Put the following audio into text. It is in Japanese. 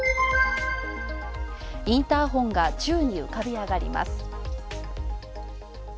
インターホンが宙に浮かび上がります。